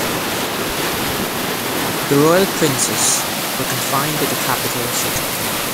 The royal princes were confined to the capital city.